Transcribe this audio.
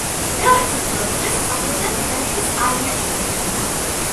მეორე მსოფლიო ომის დროს მსახურობდა ბრიტანეთის არმიაში მფრინავად.